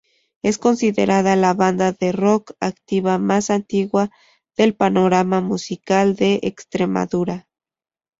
Es considerada la banda de rock activa más antigua del panorama musical de Extremadura.